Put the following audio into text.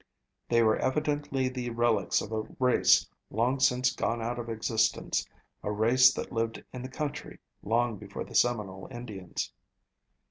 They were evidently the relics of a race long since gone out of existence, a race that lived in the country long before the Seminole Indians.